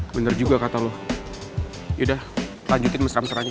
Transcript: bener juga kata lo yaudah lanjutin mesram keranya